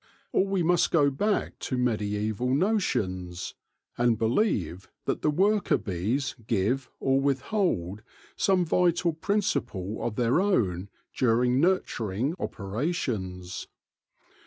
Or we must go back to mediaeval notions, and believe that the worker bees give or with hold some vital principle of their own during nurtur ing operations.